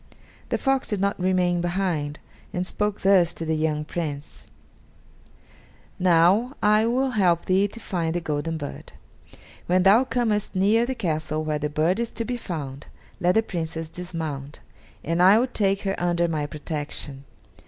The fox did not remain behind, and spoke thus to the young Prince: "Now I will help thee to find the golden bird. When thou comest near the castle where the bird is to be found, let the Princess dismount, and I will take her under my protection.